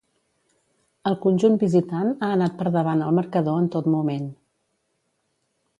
El conjunt visitant ha anat per davant al marcador en tot moment.